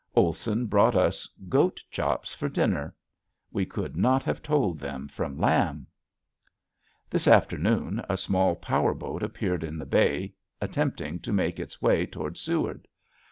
Olson brought us goat chops for dinner. We could not have told them from lamb. This afternoon late a small power boat appeared in the bay attempting to make its way toward Seward.